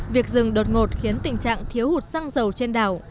việc dừng đột ngột khiến tình trạng thiếu hụt xăng dầu trên đảo